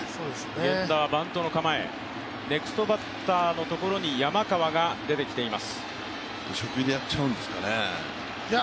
源田はバントの構え、ネクストバッターのところに山川が出てきています。